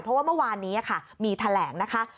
เพราะว่าเมื่อวานนี้ค่ะมีแถลงนะคะ